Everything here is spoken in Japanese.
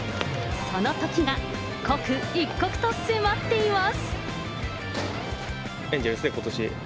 そのときが刻一刻と迫っています。